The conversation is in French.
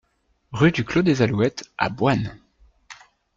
Rue du Clos des Alouettes à Boynes